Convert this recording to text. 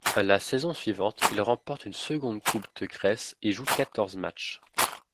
La saison suivante, il remporte une seconde coupe de Grèce et joue quatorze matchs.